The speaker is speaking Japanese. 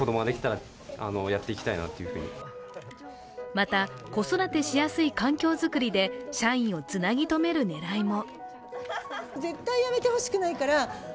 また、子育てしやすい環境作りで社員をつなぎ止める狙いも。